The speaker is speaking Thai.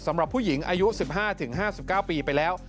สำหรับผู้หญิงอายุ๑๕๕๙ปีไปแล้ว